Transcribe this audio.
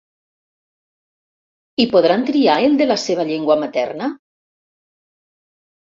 I podran triar el de la seva llengua materna?